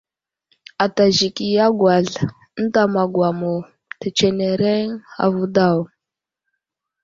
Ata zik i agwazl ənta magwamo tətsenereŋ avo daw.